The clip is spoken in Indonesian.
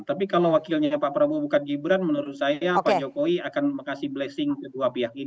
tapi kalau wakilnya pak prabowo bukan gibran menurut saya pak jokowi akan mengasih blessing kedua pihak ini